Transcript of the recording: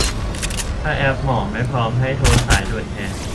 ถ้าแอปหมอไม่พร้อม ให้โทรสายด่วนแทน